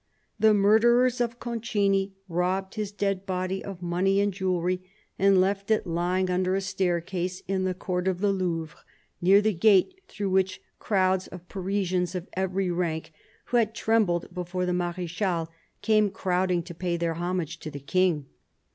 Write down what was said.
The murderers of Concini robbed his dead body of money and jewellery and left it lying under a staircase THE BISHOP OF LUgON 99 in the court of the Louvre, near the gate through which crowds of Parisians of every rank, who had trembled before the Marechal, came crowding to pay their homage to the King.